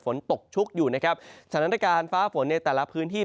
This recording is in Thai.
ฝนตกชุกอยู่นะครับสถานการณ์ฟ้าฝนในแต่ละพื้นที่